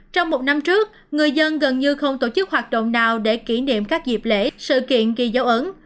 trong một năm trước người dân gần như không tổ chức hoạt động nào để kỷ niệm các dịp lễ sự kiện ghi dấu ấn